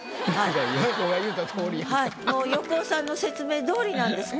もう横尾さんの説明通りなんです